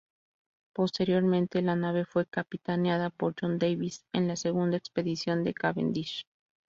Posteriormente la nave fue capitaneada por John Davis en la segunda expedición de Cavendish.